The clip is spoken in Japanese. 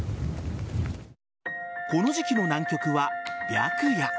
この時季の南極は白夜。